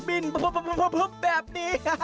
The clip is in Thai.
บินแบบนี้